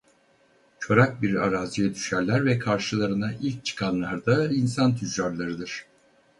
Çorak bir araziye düşerler ve karşılarına ilk çıkanlarda insan tüccarlarıdır.